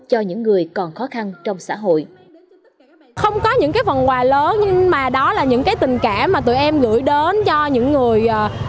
cho những người còn khó khăn trong xã hội